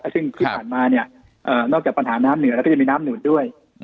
ซึ่งที่ผ่านมานอกจากปัญหาน้ำเหนือแล้วก็จะมีน้ำหนุนด้วย